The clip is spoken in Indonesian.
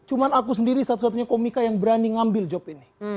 cuma aku sendiri satu satunya komika yang berani ngambil job ini